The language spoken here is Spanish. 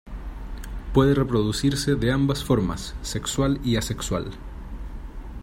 Puede reproducirse de ambas formas, sexual y asexual.